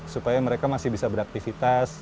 supaya mereka masih bisa beraktivitas